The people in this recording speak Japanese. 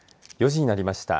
４時になりました。